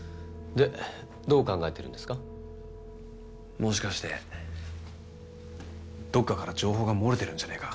もしかしてどっかから情報が漏れてるんじゃねえか？